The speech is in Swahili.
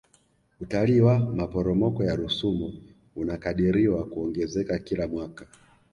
utalii wa maporomoko ya rusumo unakadiriwa kuongezeka kila mwaka